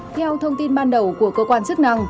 theo thông tin ban đầu của cơ quan chức năng